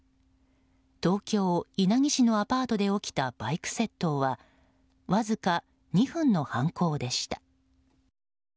東京・稲城市のアパートで起きたバイク窃盗はわずか２分の犯行でした。